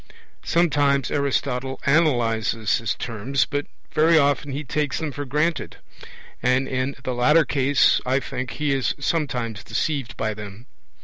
Sometimes Aristotle analyses his terms, but very often he takes them for granted; and in the latter case, I think, he is sometimes deceived by them.